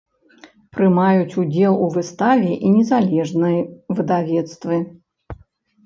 Прымаюць удзел у выставе і незалежныя выдавецтвы.